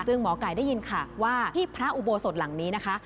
ซึ่งหมอไก่ได้ยินค่ะว่าที่พระอุโบสถหลังนี้นะคะ